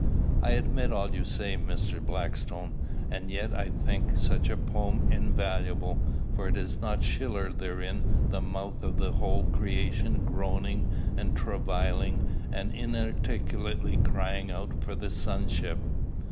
"I admit all you say, Mr. Blackstone; and yet I think such a poem invaluable; for is not Schiller therein the mouth of the whole creation groaning and travailling and inarticulately crying out for the sonship?"